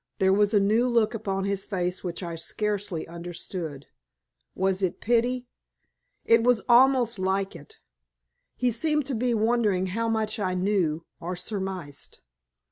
There was a new look upon his face which I scarcely understood. Was it pity. It was almost like it. He seemed to be wondering how much I knew or surmised.